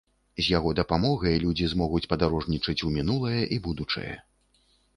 З яго дапамогай людзі змогуць падарожнічаць у мінулае і будучае.